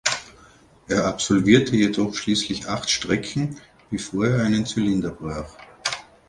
Er absolvierte jedoch schließlich acht Strecken, bevor er einen Zylinder brach.